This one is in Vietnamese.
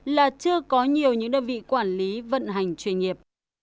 là chưa có nhiều những đơn vị quản lý vận hành chuyên nghiệp